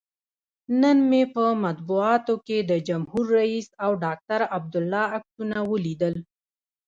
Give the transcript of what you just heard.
نن مې په مطبوعاتو کې د جمهور رئیس او ډاکتر عبدالله عکسونه ولیدل.